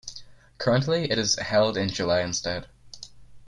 Currently, it is held in July instead.